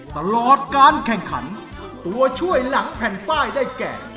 ตลอดการแข่งขันตัวช่วยหลังแผ่นป้ายได้แก่